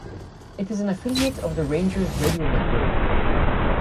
It is an affiliate of the Rangers Radio Network.